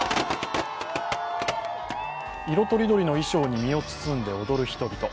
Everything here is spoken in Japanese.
色とりどりの衣装に身を包んで踊る人々。